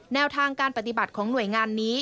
แนวทางการปฏิบัติของหน่วยงานนี้